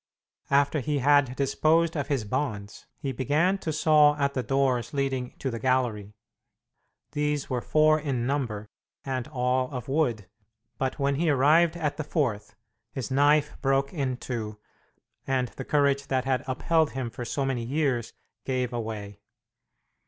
After he had disposed of his bonds, he began to saw at the doors leading to the gallery. These were four in number, and all of wood, but when he arrived at the fourth, his knife broke in two, and the courage that had upheld him for so many years gave away.